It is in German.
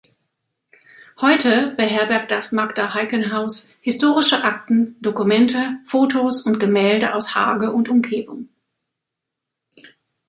Heute beherbergt das Magda-Heyken-Haus historische Akten, Dokumente, Fotos und Gemälde aus Hage und Umgebung.